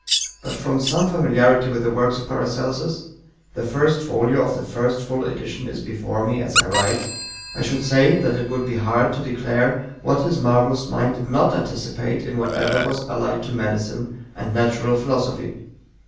But from some familiarity with the works of PARACELSUS the first folio of the first full edition is before me as I write I would say that it would be hard to declare what his marvelous mind did not anticipate in whatever was allied to medicine and natural philosophy.